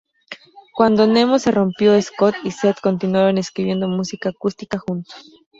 Cuando Nemo se rompió Scott y Seth continuaron escribiendo música acústica juntos.